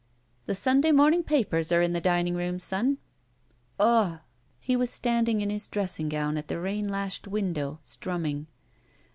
The Sunday morning papers are in the dining room, son." 254 ROULETTE "Uhm!" He was standing in his dressing gown at the rain lashed window, strumming.